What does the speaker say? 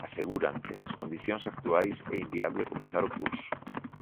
Aseguran que nas condicións actuais é inviable comezar o curso.